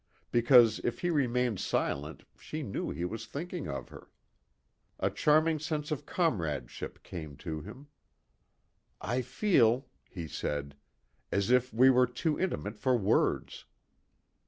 Because if he remained silent she knew he was thinking of her. A charming sense of comradeship came to him. "I feel," he said, "as if we were too intimate for words."